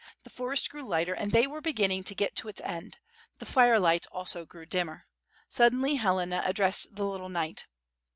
The forest grew lighter, and they were beginning to get to its end; the fire light also grew dimmer. Suddenly Helena ad dressed the little knight.